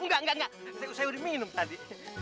enggak enggak saya udah minum tadi